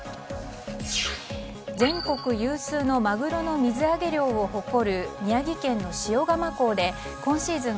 全国有数のマグロの水揚げ量を誇る宮城県の塩釜港で今シーズン